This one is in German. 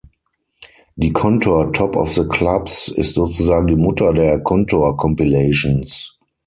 Die Kontor Top Of The Clubs ist sozusagen die ‚Mutter der Kontor-Compilations‘.